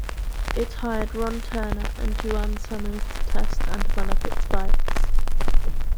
It hired Ron Turner and Duane Summers to test and develop its bikes.